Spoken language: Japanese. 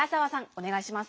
おねがいします。